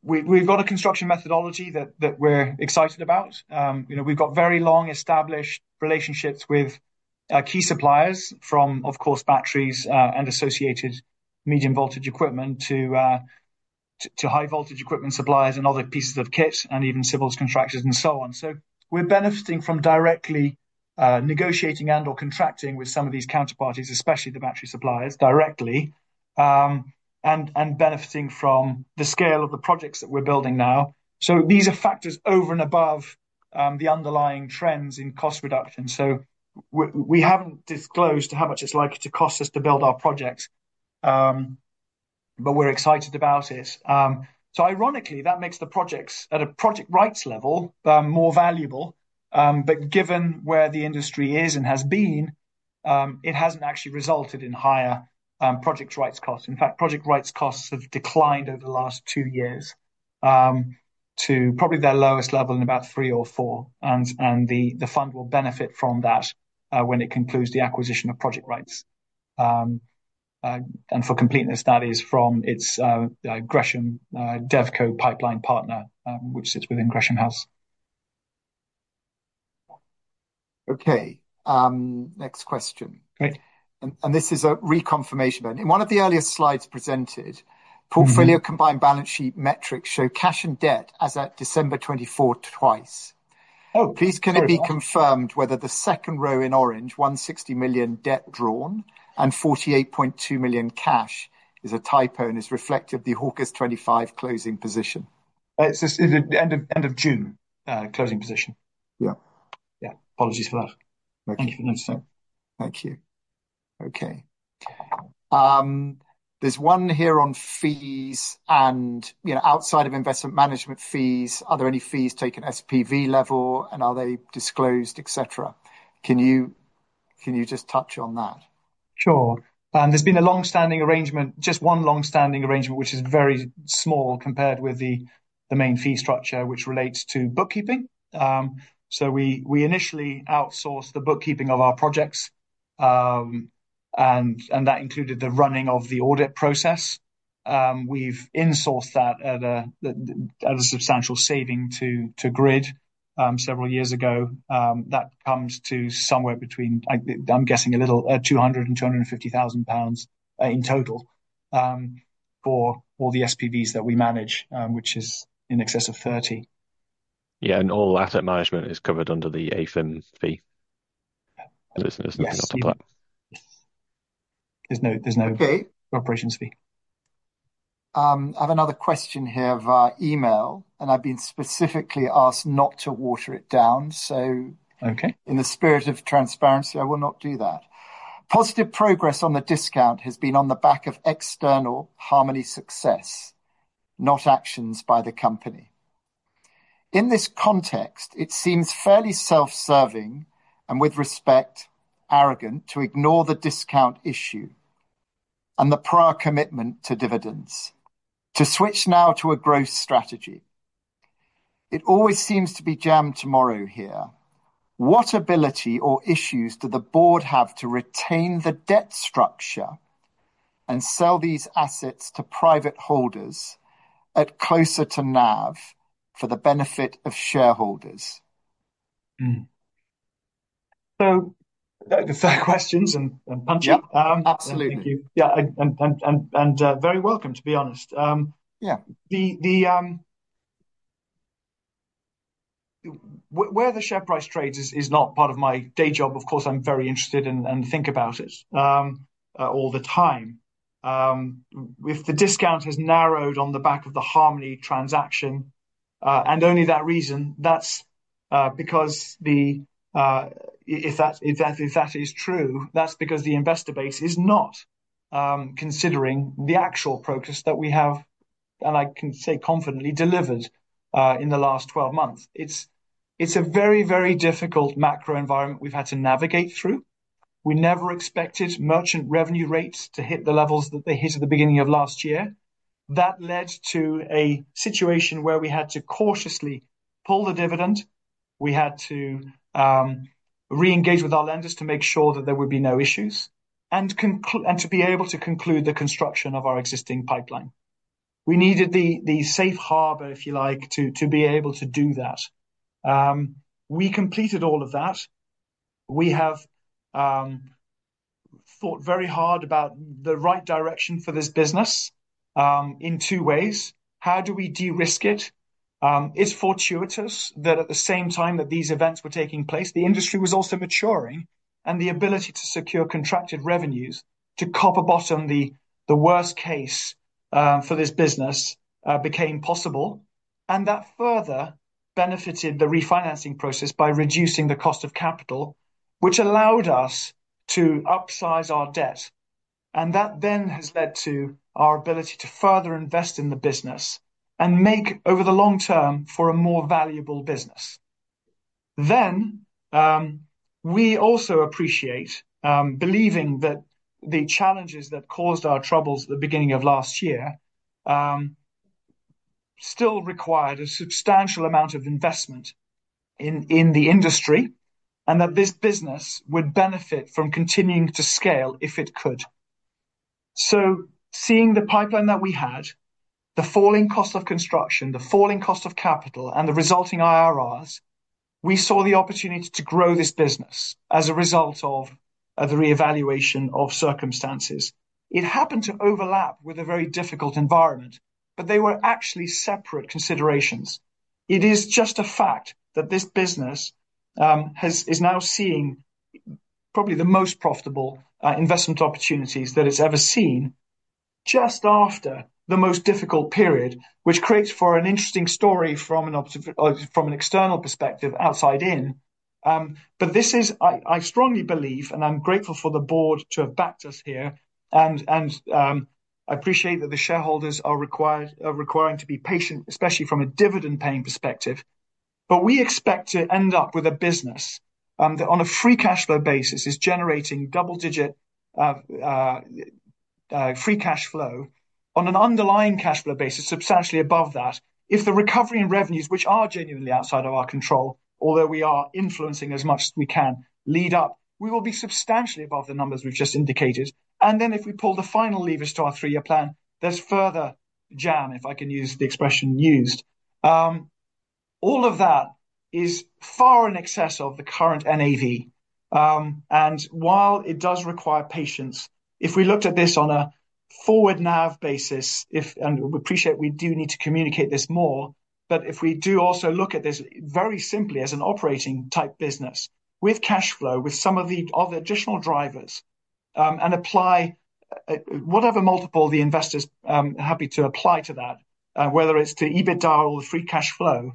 We've got a construction methodology that we're excited about. We've got very long-established relationships with key suppliers from, of course, batteries and associated medium-voltage equipment to high-voltage equipment suppliers and other pieces of kit and even civils contractors and so on. We're benefiting from directly negotiating and/or contracting with some of these counterparties, especially the battery suppliers, directly and benefiting from the scale of the projects that we're building now. These are factors over and above the underlying trends in cost reduction. We haven't disclosed how much it's likely to cost us to build our projects, but we're excited about it. Ironically, that makes the projects at a project rights level more valuable. But given where the industry is and has been, it hasn't actually resulted in higher project rights costs. In fact, project rights costs have declined over the last two years to probably their lowest level in about three or four. And the fund will benefit from that when it concludes the acquisition of project rights. And for completeness, that is from its Gresham House DevCo pipeline partner, which sits within Gresham House. Okay. Next question. And this is a reconfirmation. In one of the earlier slides presented, portfolio combined balance sheet metrics show cash and debt as at December 2024 twice. Please can it be confirmed whether the second row in orange, 160 million debt drawn and 48.2 million cash is a typo and is reflective of the H1 2025 closing position? It's the end-of-June closing position. Yeah. Yeah. Apologies for that. Thank you for noticing. Thank you. Okay. There's one here on fees and, outside of investment management fees, are there any fees taken [at] SPV level and are they disclosed, etc.? Can you just touch on that? Sure. There's been a long-standing arrangement, just one long-standing arrangement, which is very small compared with the main fee structure, which relates to bookkeeping. So we initially outsourced the bookkeeping of our projects, and that included the running of the audit process. We've insourced that at a substantial saving to GRID several years ago. That comes to somewhere between, I'm guessing, a little 200,000 and 250,000 pounds in total for all the SPVs that we manage, which is in excess of 30. Yeah. And all asset management is covered under the AIFM fee. There's no operations fee. I have another question here via email, and I've been specifically asked not to water it down. So in the spirit of transparency, I will not do that. Positive progress on the discount has been on the back of external Harmony success, not actions by the company. In this context, it seems fairly self-serving and with respect, arrogant to ignore the discount issue and the prior commitment to dividends. To switch now to a growth strategy, it always seems to be jam tomorrow here. What ability or issues do the board have to retain the debt structure and sell these assets to private holders at closer to NAV for the benefit of shareholders? So the third question's a punch-up. Yeah. Absolutely. Thank you. Yeah, and very welcome, to be honest. Where the share price trade is not part of my day job, of course, I'm very interested and think about it all the time. If the discount has narrowed on the back of the Harmony transaction and only that reason, that's because if that is true, that's because the investor base is not considering the actual process that we have, and I can say confidently, delivered in the last 12 months. It's a very, very difficult macro environment we've had to navigate through. We never expected merchant revenue rates to hit the levels that they hit at the beginning of last year. That led to a situation where we had to cautiously pull the dividend. We had to re-engage with our lenders to make sure that there would be no issues and to be able to conclude the construction of our existing pipeline. We needed the safe harbor, if you like, to be able to do that. We completed all of that. We have thought very hard about the right direction for this business in two ways. How do we de-risk it? It's fortuitous that at the same time that these events were taking place, the industry was also maturing, and the ability to secure contracted revenues to copper-bottom the worst case for this business became possible, and that further benefited the refinancing process by reducing the cost of capital, which allowed us to upsize our debt, and that then has led to our ability to further invest in the business and make over the long term for a more valuable business, then we also appreciate believing that the challenges that caused our troubles at the beginning of last year still required a substantial amount of investment in the industry and that this business would benefit from continuing to scale if it could. So seeing the pipeline that we had, the falling cost of construction, the falling cost of capital, and the resulting IRRs, we saw the opportunity to grow this business as a result of the re-evaluation of circumstances. It happened to overlap with a very difficult environment, but they were actually separate considerations. It is just a fact that this business is now seeing probably the most profitable investment opportunities that it's ever seen just after the most difficult period, which creates for an interesting story from an external perspective outside in. But this is, I strongly believe, and I'm grateful for the board to have backed us here. And I appreciate that the shareholders are requiring to be patient, especially from a dividend-paying perspective. But we expect to end up with a business that on a free cash flow basis is generating double-digit free cash flow on an underlying cash flow basis substantially above that. If the recovery and revenues, which are genuinely outside of our control, although we are influencing as much as we can, lead up, we will be substantially above the numbers we've just indicated. And then if we pull the final levers to our three-year plan, there's further jam, if I can use the expression used. All of that is far in excess of the current NAV. While it does require patience, if we looked at this on a forward NAV basis, and we appreciate we do need to communicate this more, but if we do also look at this very simply as an operating-type business with cash flow, with some of the other additional drivers, and apply whatever multiple the investor's happy to apply to that, whether it's to EBITDA or the free cash flow,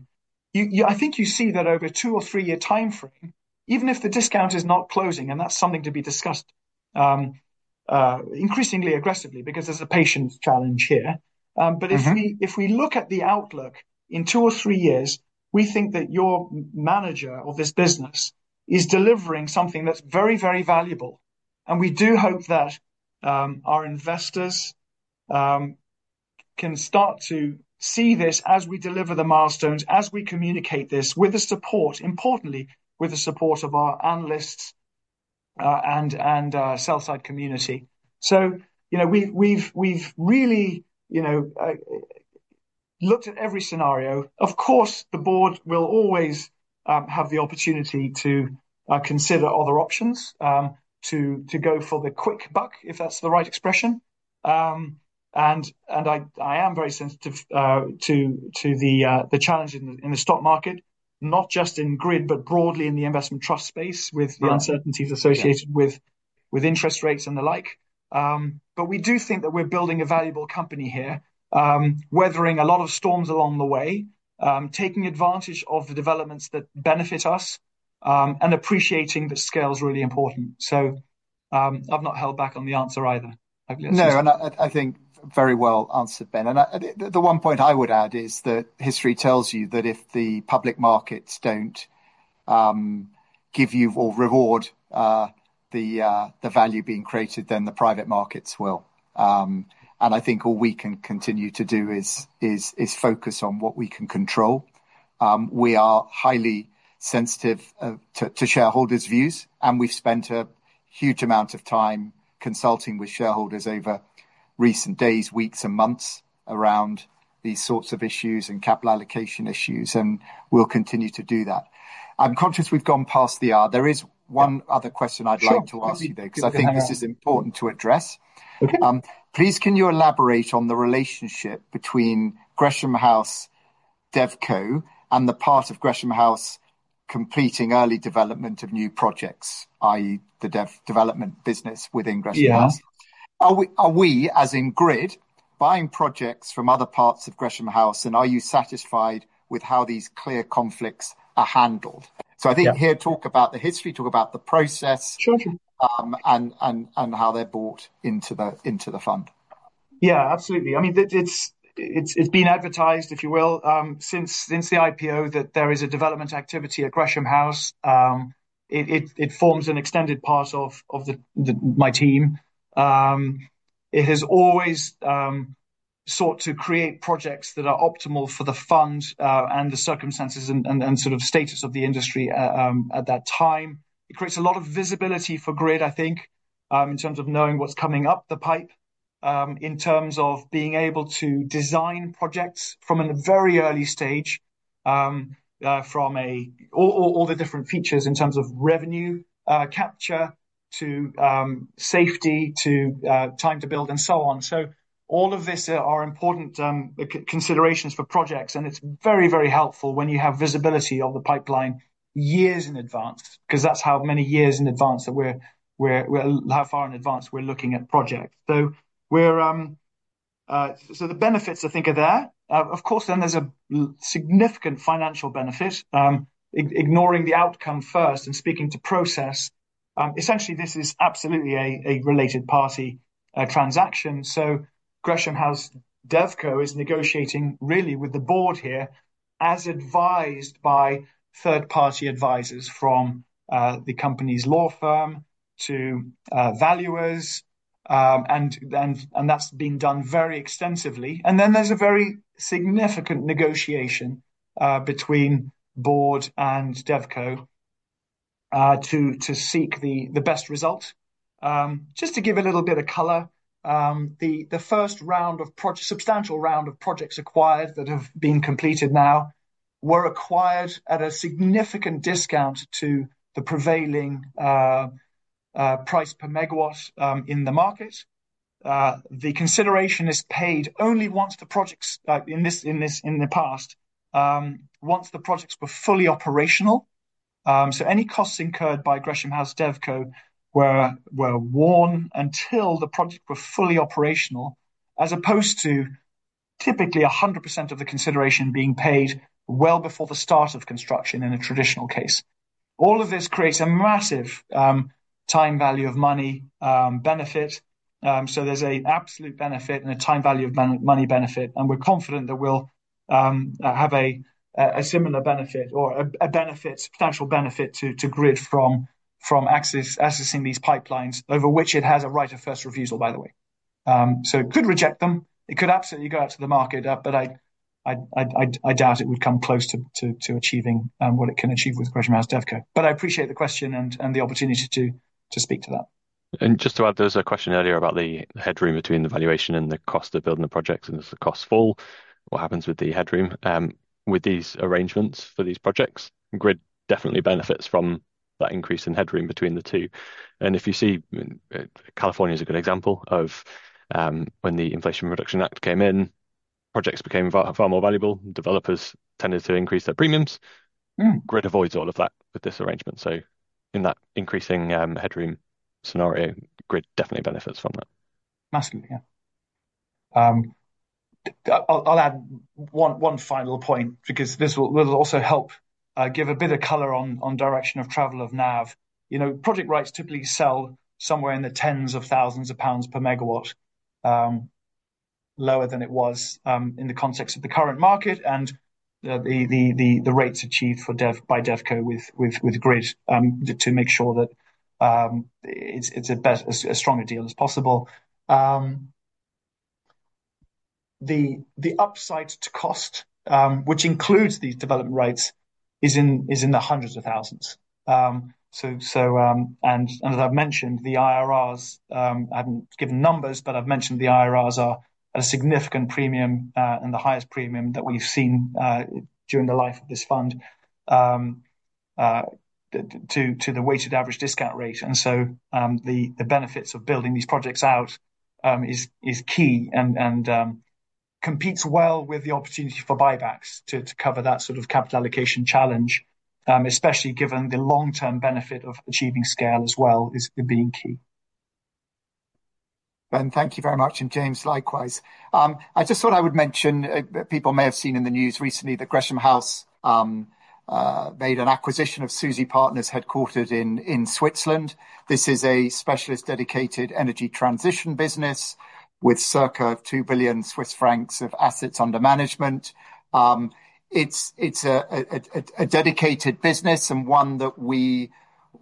I think you see that over a two or three-year timeframe, even if the discount is not closing, and that's something to be discussed increasingly aggressively because there's a patience challenge here. If we look at the outlook in two or three years, we think that your manager of this business is delivering something that's very, very valuable. And we do hope that our investors can start to see this as we deliver the milestones, as we communicate this with the support, importantly, with the support of our analysts and sell-side community. So we've really looked at every scenario. Of course, the board will always have the opportunity to consider other options, to go for the quick buck, if that's the right expression. And I am very sensitive to the challenge in the stock market, not just in GRID, but broadly in the investment trust space with the uncertainties associated with interest rates and the like. But we do think that we're building a valuable company here, weathering a lot of storms along the way, taking advantage of the developments that benefit us, and appreciating that scale is really important. So I've not held back on the answer either. No, and I think very well answered, Ben. And the one point I would add is that history tells you that if the public markets don't give you or reward the value being created, then the private markets will. And I think all we can continue to do is focus on what we can control. We are highly sensitive to shareholders' views, and we've spent a huge amount of time consulting with shareholders over recent days, weeks, and months around these sorts of issues and capital allocation issues, and we'll continue to do that. I'm conscious we've gone past the hour. There is one other question I'd like to ask you there, because I think this is important to address. Please, can you elaborate on the relationship between Gresham House DevCo and the part of Gresham House completing early development of new projects, i.e., the development business within Gresham House? Are we, as in GRID, buying projects from other parts of Gresham House, and are you satisfied with how these clear conflicts are handled? Yeah, absolutely. I mean, it's been advertised, if you will, since the IPO that there is a development activity at Gresham House. It forms an extended part of my team. It has always sought to create projects that are optimal for the fund and the circumstances and sort of status of the industry at that time. It creates a lot of visibility for GRID, I think, in terms of knowing what's coming up the pipeline, in terms of being able to design projects from a very early stage, from all the different features in terms of revenue capture to safety to time to build and so on. So all of these are important considerations for projects, and it's very, very helpful when you have visibility of the pipeline years in advance, because that's how far in advance we're looking at projects. So the benefits, I think, are there. Of course, then there's a significant financial benefit. Ignoring the outcome first and speaking to process, essentially, this is absolutely a related party transaction. So Gresham House DevCo is negotiating really with the board here as advised by third-party advisors from the company's law firm to valuers, and that's been done very extensively. And then there's a very significant negotiation between board and DevCo to seek the best result. Just to give a little bit of color, the first substantial round of projects acquired that have been completed now were acquired at a significant discount to the prevailing price per megawatt in the market. The consideration is paid only once the projects in the past, once the projects were fully operational. So any costs incurred by Gresham House DevCo were borne until the project was fully operational, as opposed to typically 100% of the consideration being paid well before the start of construction in a traditional case. All of this creates a massive time value of money benefit. So there's an absolute benefit and a time value of money benefit, and we're confident that we'll have a similar benefit or a substantial benefit to GRID from accessing these pipelines, over which it has a right of first refusal, by the way. So it could reject them. It could absolutely go out to the market, but I doubt it would come close to achieving what it can achieve with Gresham House DevCo. But I appreciate the question and the opportunity to speak to that. And just to add, there was a question earlier about the headroom between the valuation and the cost of building the projects. And as the costs fall, what happens with the headroom with these arrangements for these projects? GRID definitely benefits from that increase in headroom between the two. And if you see, California is a good example of when the Inflation Reduction Act came in, projects became far more valuable. Developers tended to increase their premiums. GRID avoids all of that with this arrangement. So in that increasing headroom scenario, GRID definitely benefits from that. Absolutely. Yeah. I'll add one final point because this will also help give a bit of color on direction of travel of NAV. Project rights typically sell somewhere in the tens of thousands of pounds per megawatt, lower than it was in the context of the current market and the rates achieved by DevCo with GRID to make sure that it's a stronger deal as possible. The upside to cost, which includes these development rights, is in the hundreds of thousands. And as I've mentioned, the IRRs. I haven't given numbers, but I've mentioned the IRRs are at a significant premium and the highest premium that we've seen during the life of this fund to the weighted average discount rate. And so the benefits of building these projects out is key and competes well with the opportunity for buybacks to cover that sort of capital allocation challenge, especially given the long-term benefit of achieving scale as well as being key. Ben, thank you very much. And James, likewise. I just thought I would mention that people may have seen in the news recently that Gresham House made an acquisition of SUSI Partners headquartered in Switzerland. This is a specialist dedicated energy transition business with circa 2 billion Swiss francs of assets under management. It's a dedicated business and one that we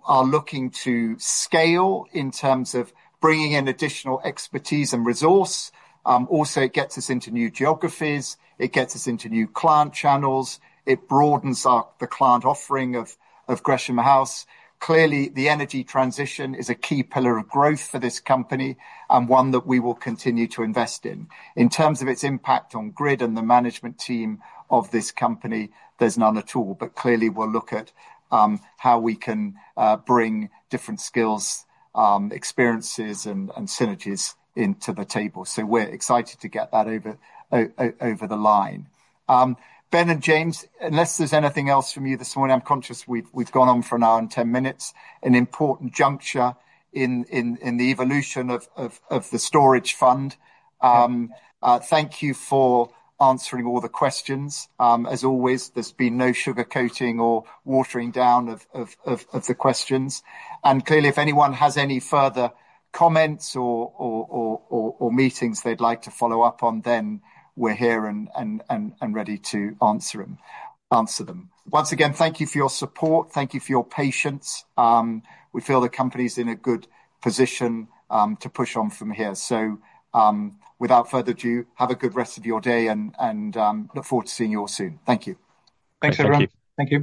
are looking to scale in terms of bringing in additional expertise and resource. Also, it gets us into new geographies. It gets us into new client channels. It broadens the client offering of Gresham House. Clearly, the energy transition is a key pillar of growth for this company and one that we will continue to invest in. In terms of its impact on GRID and the management team of this company, there's none at all, but clearly, we'll look at how we can bring different skills, experiences, and synergies into the table, so we're excited to get that over the line. Ben and James, unless there's anything else from you this morning, I'm conscious we've gone on for an hour and 10 minutes, an important juncture in the evolution of the storage fund. Thank you for answering all the questions. As always, there's been no sugarcoating or watering down of the questions, and clearly, if anyone has any further comments or meetings they'd like to follow up on, then we're here and ready to answer them. Once again, thank you for your support. Thank you for your patience. We feel the company's in a good position to push on from here. So without further ado, have a good rest of your day and look forward to seeing you all soon. Thank you. Thanks, everyone. Thank you.